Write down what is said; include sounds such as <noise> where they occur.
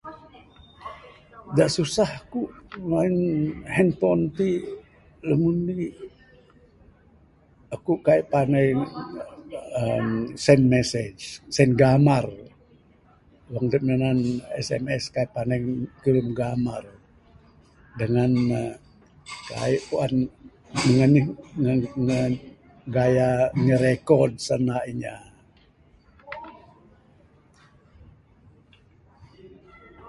Da susah ku main handphone ti lumur indi aku kaik panai <unintelligible> uhh send message send gamar wang dep minan SMS kaik panai kirum gamar dangan kaik puan meng anih <unintelligible> ngerekod sanda inya.